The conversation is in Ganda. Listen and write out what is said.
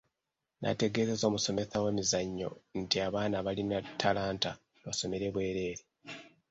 Nategeezezza omusomesa w'emizannyo nti abaana abalina talanta basomere bwereere.